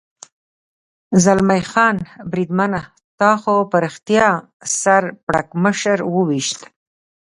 زلمی خان: بریدمنه، تا خو په رښتیا سر پړکمشر و وېشت.